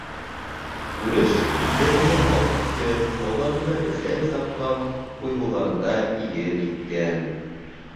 Үреш, үҙҙәрендә мал көткән, тауҙарында бесән сапҡан, уйһыуҙарында иген иккән.